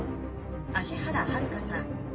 芦原遥香さん。